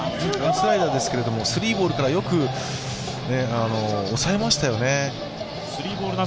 スライダーですけど、スリーボールからよく抑えましたよね。